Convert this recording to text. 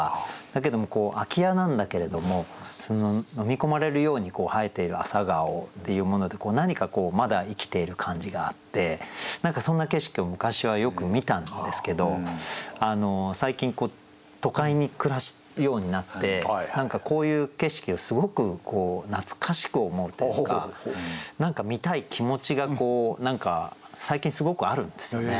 だけども空家なんだけれども呑みこまれるように生えている朝顔っていうもので何かまだ生きている感じがあって何かそんな景色を昔はよく見たんですけど最近都会に暮らすようになって何かこういう景色をすごく懐かしく思うというか何か見たい気持ちが最近すごくあるんですよね。